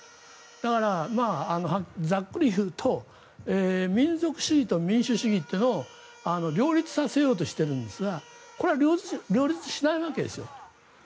だから、ざっくり言うと民族主義と民主主義というのを両立させようとしているんですがこれは両立しないわけですよ。